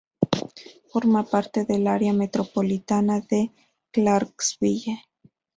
Forma parte del área metropolitana de Clarksville.